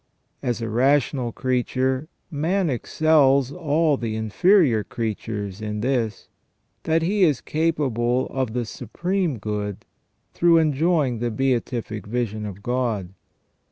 As a rational creature man excels all the inferior creatures in this, that he is capable of the Supreme Good through enjoying the beatific vision of God.